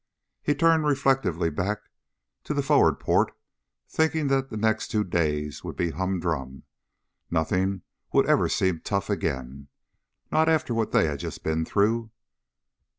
He turned reflectively back to the forward port thinking that the next two days would be humdrum. Nothing would ever seem tough again. Not after what they had just been through.